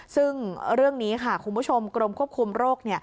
ซึ่งเรื่องนี้ค่ะคุณผู้ชมกรมควบคุมโรค